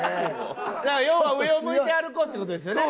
要は「上を向いて歩こう」って事ですよね。